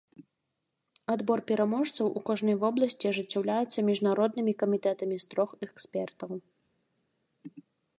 Адбор пераможцаў у кожнай вобласці ажыццяўляецца міжнароднымі камітэтамі з трох экспертаў.